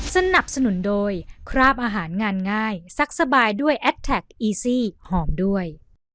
สนับสนุนโดยคราบอาหารงานง่ายซักสบายด้วยแอดแท็กอีซี่หอมด้วย